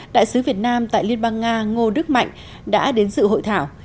đại sứ việt nam tại liên bang nga ngô đức mạnh đã đến sự hội thảo